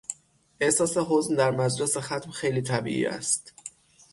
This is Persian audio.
احساس حزن در مجلس ختم خیلی طبیعی است.